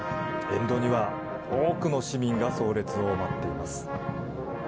沿道には多くの市民が葬列を待っています。